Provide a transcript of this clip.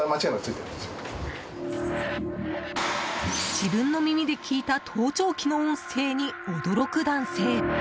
自分の耳で聞いた盗聴器の音声に驚く男性。